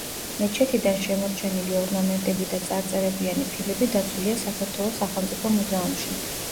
მეჩეთიდან შემორჩენილი ორნამენტები და წარწერებიანი ფილები დაცულია საქართველოს სახელმწიფო მუზეუმში.